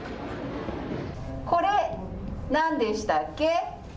これ、何でしたっけ。